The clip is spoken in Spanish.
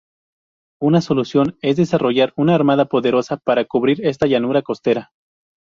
Una solución es desarrollar una armada poderosa para cubrir esta llanura costera.